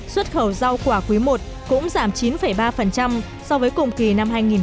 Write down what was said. xuất khẩu rau quả quý i cũng giảm chín ba so với cùng kỳ năm hai nghìn một mươi tám